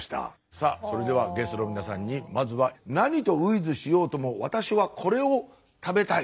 さあそれではゲストの皆さんにまずは何とｗｉｔｈしようとも私はこれを食べたい。